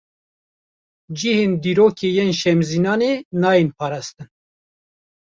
Cihên dîrokî yên Şemzînanê, nayên parastin